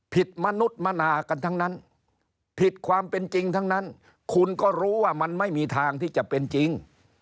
มนุษย์มนากันทั้งนั้นผิดความเป็นจริงทั้งนั้นคุณก็รู้ว่ามันไม่มีทางที่จะเป็นจริง